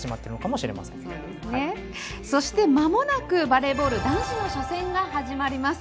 そして、まもなくバレーボール男子の初戦が始まります。